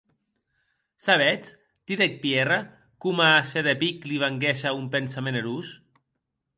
Sabetz?, didec Pierre, coma se de pic li venguesse un pensament erós.